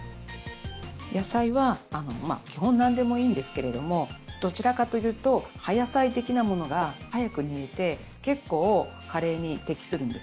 野菜は基本何でもいいんですけれどもどちらかというと葉野菜的なものが早く煮えて結構カレーに適するんですよね。